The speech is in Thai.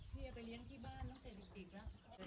ไม่ต้องใจนะ